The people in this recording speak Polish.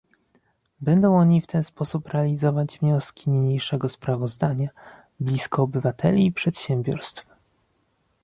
Będą oni w ten sposób realizować wnioski niniejszego sprawozdania, blisko obywateli i przedsiębiorstw